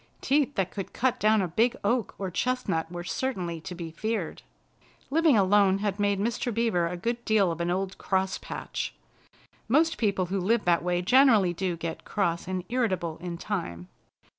Teeth that could cut down a big oak or chestnut were certainly to be feared. Living alone had made Mr. Beaver a good deal of an old cross patch. Most people who live that way generally do get cross and irritable in time.